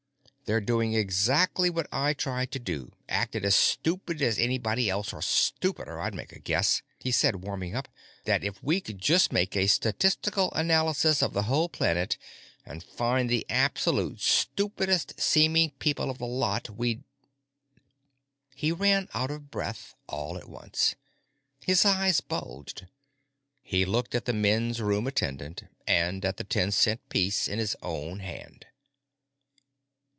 They're doing exactly what I tried to do: acted as stupid as anybody else, or stupider. I'd make a guess," he said, warming up, "that if we could just make a statistical analysis of the whole planet and find the absolute stupidest seeming people of the lot, we'd——" He ran out of breath all at once. His eyes bulged. He looked at the men's room attendant, and at the ten cent piece in his own hand.